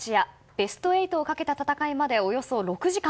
ベスト８をかけた戦いまでおよそ６時間。